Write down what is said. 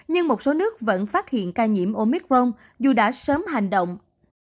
nhưng một số nước vẫn phát hiện ca nhiễm omicron dù đã sớm hành động